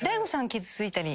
傷ついたり。